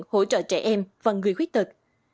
hỗ trợ trẻ em và người khuyết tật